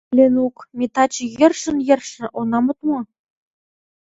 — Ленук, ме таче йӧршын-йӧршын она мод мо?